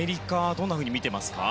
どんなふうに見ていますか？